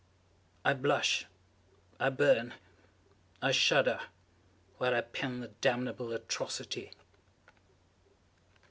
I blush, I burn, I shudder, while I pen the damnable atrocity.